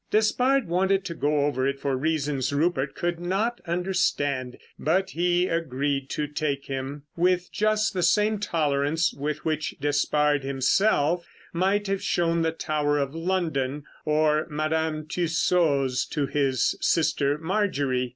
Despard wanted to go over it for reasons Rupert could not understand; but he agreed to take him with just the same tolerance with which Despard himself might have shown the Tower of London or Madame Tussaud's to his sister Marjorie.